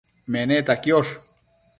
Meneta quiosh